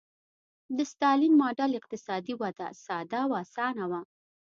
د ستالین ماډل اقتصادي وده ساده او اسانه وه.